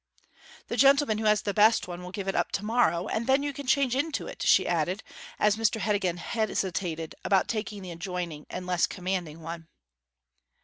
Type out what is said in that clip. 'The gentleman who has the best one will give it up tomorrow, and then you can change into it,' she added, as Mr Heddegan hesitated about taking the adjoining and less commanding one.